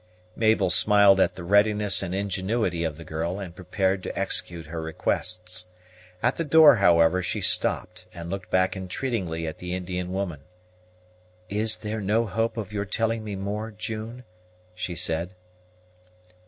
Mabel smiled at the readiness and ingenuity of the girl, and prepared to execute her requests. At the door, however, she stopped, and looked back entreatingly at the Indian woman. "Is there no hope of your telling me more, June?" she said.